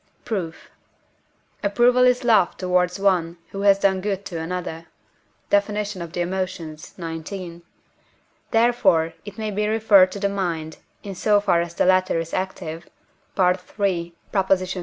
Proof. Approval is love towards one who has done good to another (Def. of the Emotions, xix.); therefore it may be referred to the mind, in so far as the latter is active (III.